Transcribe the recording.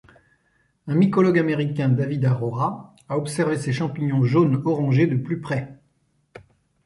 Un mycologue américain, David Arora, a observé ces champignons jaune orangé de plus près.